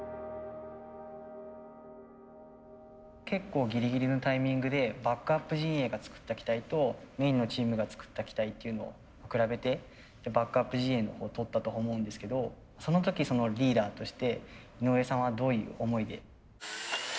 結構ギリギリのタイミングでバックアップ陣営が作った機体とメインのチームが作った機体っていうのを比べてバックアップ陣営のほうとったと思うんですけどその時そのリーダーとして井上さんはどういう思いで。